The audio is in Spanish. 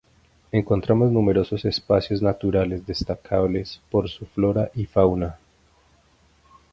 Encontramos numerosos espacios naturales destacables por su flora y fauna.